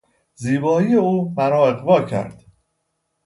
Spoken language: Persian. زیبایی او مرا اغوا کرد.